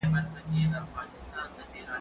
زه به سبا ليکلي پاڼي ترتيب کوم!.